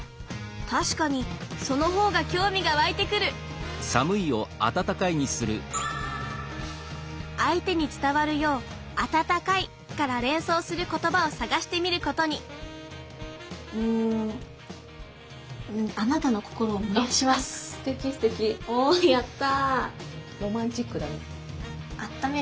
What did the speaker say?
確かにその方が興味が湧いてくる相手に伝わるよう「あたたかい」から連想することばを探してみることにうんおやった！